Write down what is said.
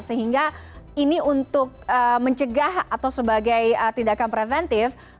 sehingga ini untuk mencegah atau sebagai tindakan preventif